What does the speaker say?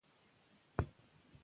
تعلیم د ذهنونو دروازې پرانیزي.